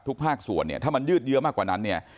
แต่ถ้ามันยืดเยอะมากกว่านั้น